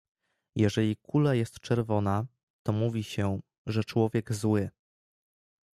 "Jeżeli kula jest czerwona, to mówi się, że człowiek „zły“."